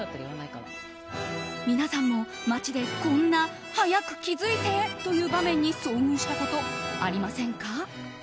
皆さんも街でこんな早く気づいてという場面に遭遇したことありませんか？